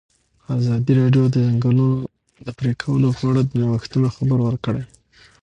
ازادي راډیو د د ځنګلونو پرېکول په اړه د نوښتونو خبر ورکړی.